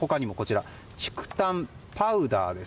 竹炭パウダーです。